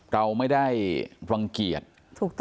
เราไม่ได้รังเกียจ